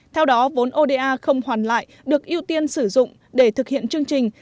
theo đó vốn oda không hoàn lại được ưu tiên sử dụng để thực hiện chương trình